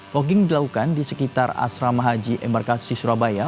fogging dilakukan di sekitar asrama haji embarkasi surabaya